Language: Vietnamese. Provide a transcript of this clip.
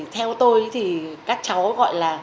theo tôi thì các cháu gọi là